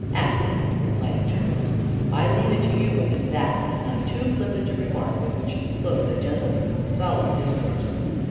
"Aleck," replied the turfman, "I leave it to you whether that is not too flippant a remark with which to close a gentleman's solemn discourse."